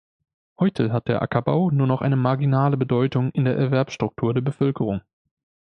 Heute hat der Ackerbau nur noch eine marginale Bedeutung in der Erwerbsstruktur der Bevölkerung.